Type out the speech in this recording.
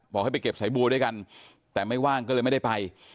ให้ไปเก็บสายบัวด้วยกันแต่ไม่ว่างก็เลยไม่ได้ไป